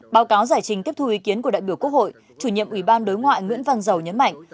báo cáo giải trình tiếp thu ý kiến của đại biểu quốc hội chủ nhiệm ủy ban đối ngoại nguyễn văn giàu nhấn mạnh